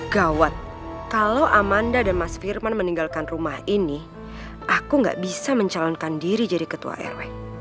gawat kalau amanda dan mas firman meninggalkan rumah ini aku gak bisa mencalonkan diri jadi ketua rw